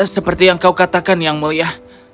seperti yang kau katakan yang mulia